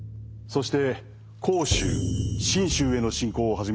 そして甲州・信州への侵攻を始め